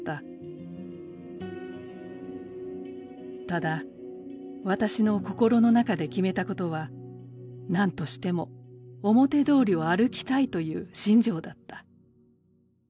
「ただ私の心の中で決めたことは“なんとしても表通りを歩きたい”という信条だった」